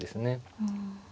うん。